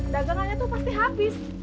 dagangannya tuh pasti habis